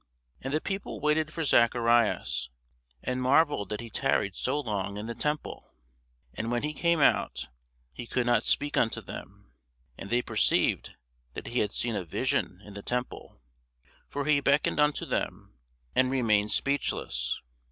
And the people waited for Zacharias, and marvelled that he tarried so long in the temple. And when he came out, he could not speak unto them: and they perceived that he had seen a vision in the temple: for he beckoned unto them, and remained speechless.